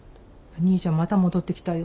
「兄ちゃんまた戻ってきたよ」